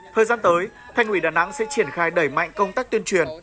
thời gian tới thành ủy đà nẵng sẽ triển khai đẩy mạnh công tác tuyên truyền